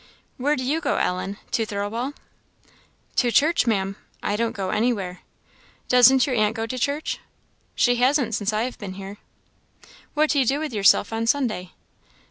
Where do you go, Ellen? to Thirlwall?" "To church, Maam! I don't go anywhere." "Doesn't your aunt go to church?" "She hasn't since I have been here." "What do you do with yourself on Sunday?"